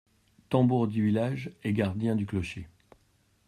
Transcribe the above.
Tambour du village et gardien du clocher…